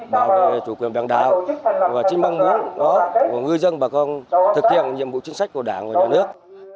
bảo vệ chủ quyền bằng đảo và chính mong muốn của người dân bà con thực hiện nhiệm vụ chính sách của đảng và đoàn nước